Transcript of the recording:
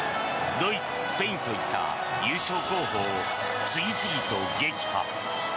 ドイツ、スペインといった優勝候補を次々と撃破。